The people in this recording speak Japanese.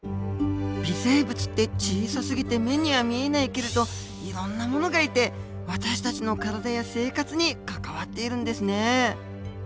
微生物って小さすぎて目には見えないけれどいろんなものがいて私たちの体や生活に関わっているんですねえ。